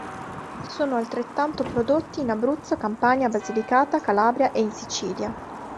Sono altrettanto prodotti in Abruzzo, Campania, Basilicata, Calabria e in Sicilia.